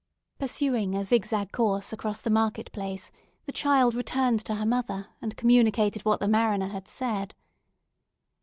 Pursuing a zigzag course across the market place, the child returned to her mother, and communicated what the mariner had said.